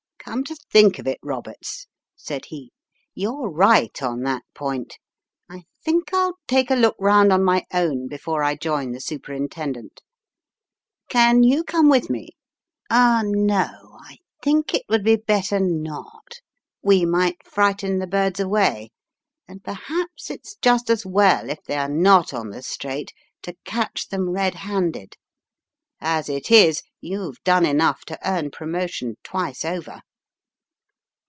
"Come to think of it, Roberts," said he, "you're right on that point. I think I'll take a look round on my own before I join the Superintendent. Can you come with me? No, I think it would be better not. We might frighten the birds away, and per haps it's just as well, if they are not on the straight, to catch them red handed. As it is, you've done enough to earn promotion twice over."